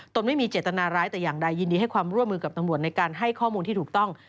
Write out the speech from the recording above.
ไม่มีเจตนาร้ายแต่อย่างใดยินดีให้ความร่วมมือกับตำรวจในการให้ข้อมูลที่ถูกต้อง